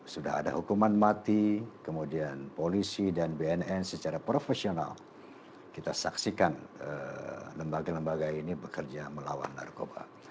sudah ada hukuman mati kemudian polisi dan bnn secara profesional kita saksikan lembaga lembaga ini bekerja melawan narkoba